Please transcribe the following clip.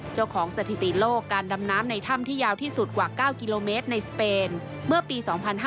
สถิติโลกการดำน้ำในถ้ำที่ยาวที่สุดกว่า๙กิโลเมตรในสเปนเมื่อปี๒๕๕๙